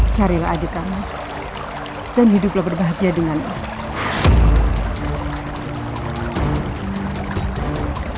carilah adik kamu dan hiduplah berbahagia dengan itu